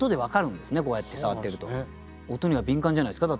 音には敏感じゃないですか？